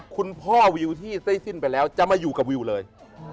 คุณพ่อวิวที่ได้สิ้นไปแล้วจะมาอยู่กับวิวเลย